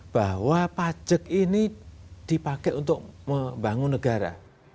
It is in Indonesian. bahwa pajak ini dipakai untuk membangun negara